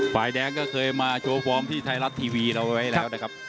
ฝ่ายแดงก็เคยมาโชว์ฟอร์มที่ไทยรัฐทีวีเราไว้แล้วนะครับ